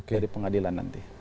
dari pengadilan nanti